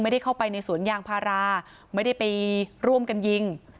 ไม่ได้เข้าไปในสวนยางพาราไม่ได้ไปร่วมกันยิง